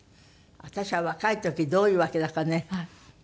私は若い時どういうわけだかね